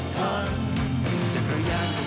ปันปันจะกระยานไป